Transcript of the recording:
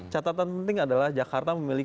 catatan penting adalah jakarta memiliki